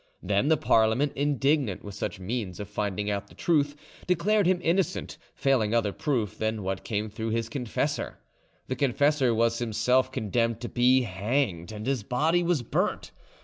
Then the Parliament, indignant with such means of finding out the truth, declared him innocent, failing other proof than what came through his confessor. The confessor was himself condemned to be hanged, and his body was burnt.